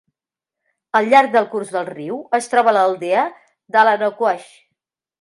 Al llarg del curs del riu, es troba l'aldea d'Allanaquoich.